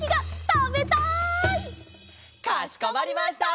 かしこまりました！